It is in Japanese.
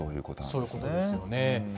そういうことですよね。